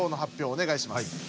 おねがいします。